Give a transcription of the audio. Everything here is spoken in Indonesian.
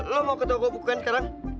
lo mau ke toko bukan sekarang